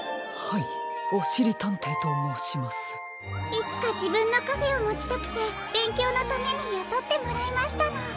いつかじぶんのカフェをもちたくてべんきょうのためにやとってもらいましたの。